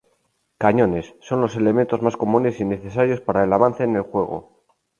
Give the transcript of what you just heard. Cañones: Son los elementos más comunes y necesarios para el avance en el juego.